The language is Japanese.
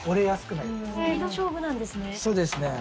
そうですね。